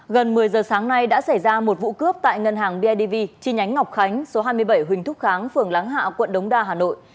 gần một mươi giờ sáng nay đã xảy ra một vụ cướp tại ngân hàng bidv chi nhánh ngọc khánh số hai mươi bảy huỳnh thúc kháng phường láng hạ quận đống đa hà nội